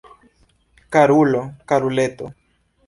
Karulo, karuleto!